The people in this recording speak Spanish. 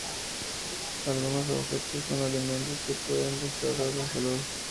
Algunos objetos son alimentos que pueden restaurar la salud.